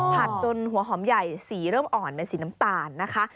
จนหัวหอมใหญ่สีเริ่มอ่อนเป็นสีน้ำตาลนะคะ